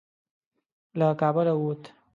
له کابله ووت.